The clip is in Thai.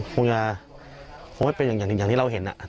ก็คิดว่าคงไม่เป็นอย่างที่เราเห็นน่ะ